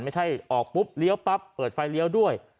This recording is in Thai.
ไม่ใช่ออกปุ๊บเลี้ยวปั๊บเปิดไฟเลี้ยวด้วย